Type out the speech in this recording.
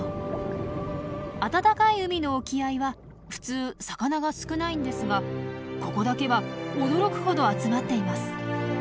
暖かい海の沖合は普通魚が少ないんですがここだけは驚くほど集まっています。